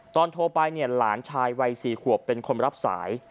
ตอนโทรไปหลานชายวัย๔ขวบเป็นคนรับสาย